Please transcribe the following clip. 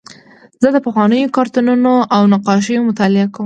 زه د پخوانیو کارتونونو او نقاشیو مطالعه کوم.